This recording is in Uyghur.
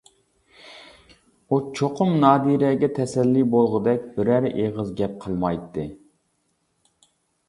ئۇ چوقۇم نادىرەگە تەسەللى بولغۇدەك بىرەر ئېغىز گەپ قىلمايتتى.